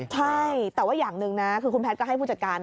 ใช่แต่ว่าอย่างหนึ่งนะคือคุณแพทย์ก็ให้ผู้จัดการ